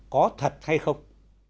có thật hay không